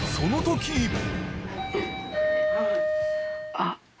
あっ。